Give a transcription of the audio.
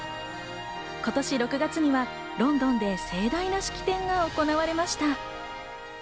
今年６月にはロンドンで盛大な式典が行われました。